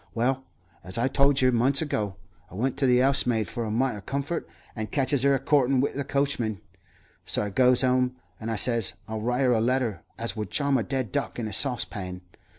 Well, as I told yer months ago, I went to the 'ousemaid for a mite 'o comfort, and catches 'er a courtin' wi' the coachman. So I goes 'ome, and I says I'll write 'er a letter as would charm a dead duck in a saucepan.